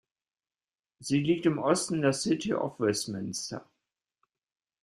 Sie liegt im Osten der City of Westminster.